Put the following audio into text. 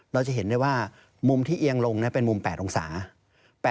เราจะเห็นได้ว่ามุมที่เอียงลงเป็นมุม๘องศา